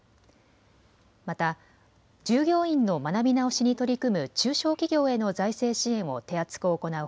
また従業員の学び直しに取り組む中小企業への財政支援を手厚く行う